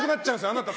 あなた。